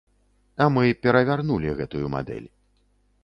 А мы перавярнулі гэтую мадэль.